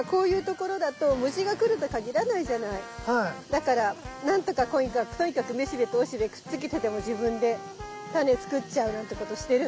だから何とかとにかくとにかく雌しべと雄しべくっつけてでも自分でタネ作っちゃうなんてことしてるんだね。